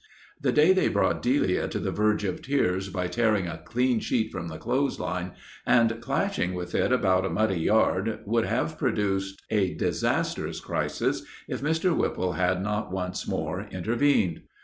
The day they brought Delia to the verge of tears by tearing a clean sheet from the clothesline and clashing with it about a muddy yard would have produced a disastrous crisis if Mr. Whipple had not once more intervened.